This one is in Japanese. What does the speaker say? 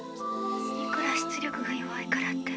いくら出力が弱いからって。